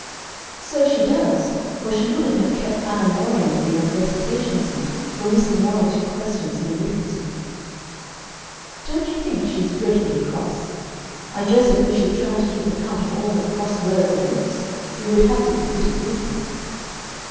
"So she does, or she wouldn't have kept Anna Mory and me on the recitation seat, for missing one or two questions in arithmetic." "Don't you think she is dreadfully cross? I guess if we should try to keep account of all her cross words and looks, we would have to be pretty busy."